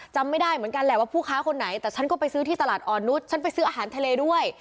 จำไม่ได้เหมือนกันแหละว่าผู้ค้าคนไหนแต่ฉันก็ไปซื้อที่ตลาดอ่อนนุษย์ฉันไปซื้ออาหารทะเลด้วย